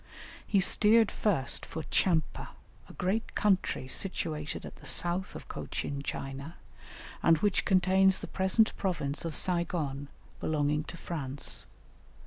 He steered first for Tchampa, a great country situated at the south of Cochin China, and which contains the present province of Saïgon, belonging to France.